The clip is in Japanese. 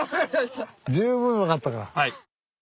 十分分かったから。